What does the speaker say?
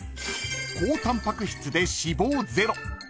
［高タンパク質で脂肪ゼロ］